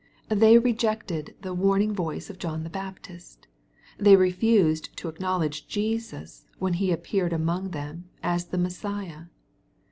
They rejected the warning voice of John the Baptist. They refused to acknowledge Jesus, when He appeared among them, as the Messiah.